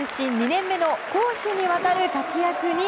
２年目の攻守にわたる活躍に。